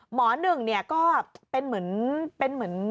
หมอหนึ่งเนี่ยก็เป็นเหมือน